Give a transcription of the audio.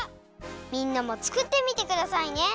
みんなもつくってみてくださいね！